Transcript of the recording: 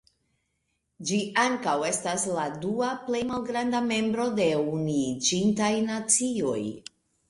Ĝi ankaŭ estas la dua plej malgranda membro de Unuiĝintaj Nacioj.